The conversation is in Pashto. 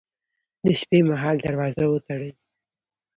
د شپې مهال دروازه وتړئ